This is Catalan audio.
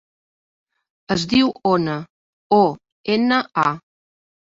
Es diu Ona: o, ena, a.